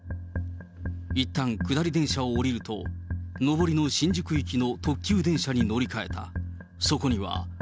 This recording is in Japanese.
いったん、下り電車を降りると、上りの新宿行きの特急電車に乗り換えた。